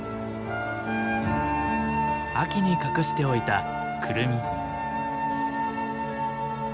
秋に隠しておいたクルミ。